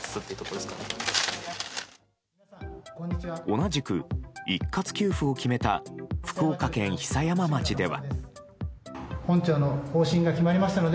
同じく一括給付を決めた福岡県久山町では。